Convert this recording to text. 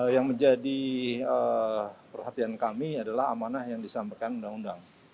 yang menjadi perhatian kami adalah amanah yang disampaikan undang undang